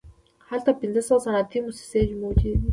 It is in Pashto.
هلته پنځه سوه صنعتي موسسې موجودې وې